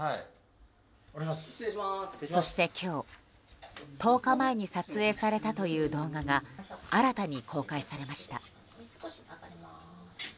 そして今日、１０日前に撮影されたという動画が新たに公開されました。